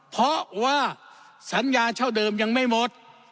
เพราะว่าสัญญาเช่าเดิมยังไม่หมด